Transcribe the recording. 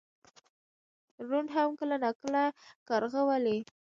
ړوند هم کله ناکله کارغه ولي .